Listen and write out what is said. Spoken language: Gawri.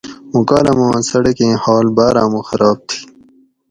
موں کالاماں څڑکیں حال بار آمو خراب تھی